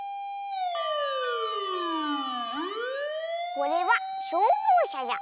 これはしょうぼうしゃじゃ。